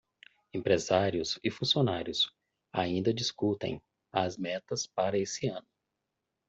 Empresários e funcionários ainda discutem as metas para esse ano.